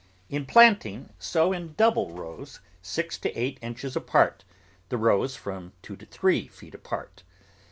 In planting, sow in double rows, six to eight inches apart, the rows from two to three feet apart.